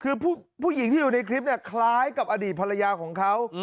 คือผู้หญิงที่อยู่ในคลิปเนี่ยคล้ายกับอดีตภรรยาของเขา